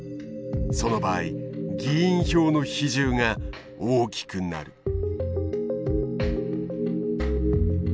その場合議員票の比重が大きくなる。